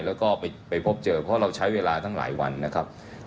แล้วก็ไปพบเจอเพราะเราใช้เวลาตั้งหลายวันนะครับ